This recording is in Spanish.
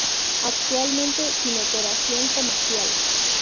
Actualmente sin operación comercial.